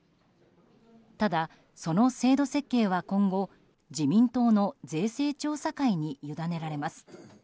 ただ、その制度設計は今後自民党の税制調査会に委ねられます。